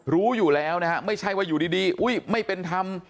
รู้อยู่แล้วนะฮะไม่ใช่ว่าอยู่ดีอุ้ยไม่เป็นธรรม